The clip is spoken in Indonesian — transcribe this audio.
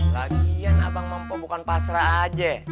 lagian abang mampu bukan pasrah aja